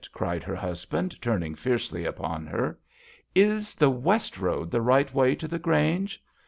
" cried her hus band, turning fiercely upon her. '^ Is the west road the right way to the Grange